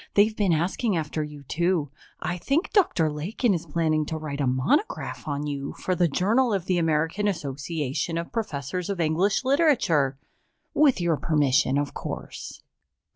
They've been asking after you, too. I think Dr. Lakin is planning to write a monograph on you for the Journal of the American Association of Professors of English Literature with your permission, of course."